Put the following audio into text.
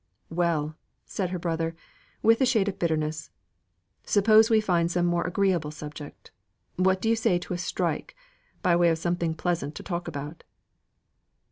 "Well!" said her brother, with a shade of bitterness. "Suppose we find some more agreeable subject. What do you say to a strike, by way of something pleasant to talk about?"